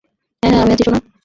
হ্যাঁ, হ্যাঁ, আমি আছি, সোনা!